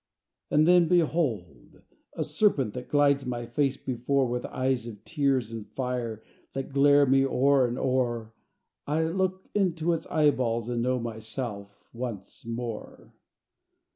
And then, behold! a serpent, That glides my face before, With eyes of tears and fire That glare me o'er and o'er I look into its eyeballs, And know myself once more.